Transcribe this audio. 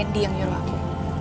randy yang nyuruh aku